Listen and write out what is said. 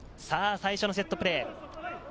最初のセットプレー。